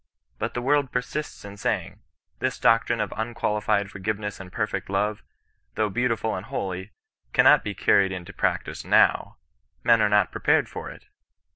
But the world persists in saying, ' This doctrine of un qualified forgiveness and perfect love, though beautiful and holy, cannot be carried into practice now; men are not prepared for it.'